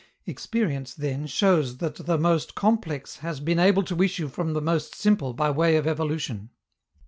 Experience, then, shows that the most complex has been able to issue from the most simple by way of evolution.